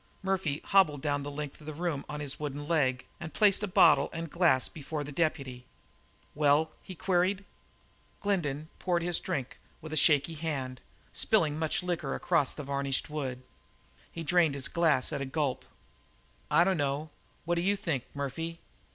Murphy hobbled down the length of the room on his wooden leg and placed bottle and glass before the deputy. "Well?" he queried. Glendin poured his drink with a shaking hand, spilling much liquor across the varnished wood. He drained his glass at a gulp. "I dunno; what d'you think, Murphy?"